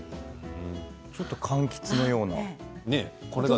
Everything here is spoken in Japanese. ちょっとかんきつのような。